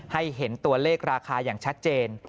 เห็นตัวเลขราคาอย่างชัดเจน